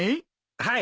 はい。